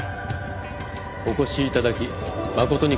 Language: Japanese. お越しいただき誠に感謝いたします。